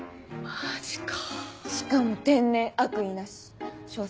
マジか。